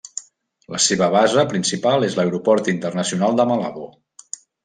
La seva base principal és l'Aeroport Internacional de Malabo.